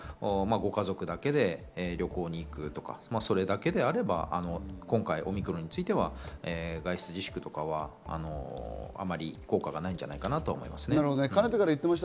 ご家族だけで旅行に行く、それだけであればオミクロンについては外出自粛とかはあまり効果がないんじゃないかなと思いますね。